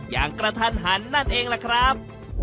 อย่างกระทันหันนั่นเองล่ะครับ